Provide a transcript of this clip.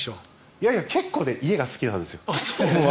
いやいや結構、家が好きなんです。